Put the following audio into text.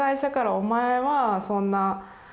「お前はそんな」。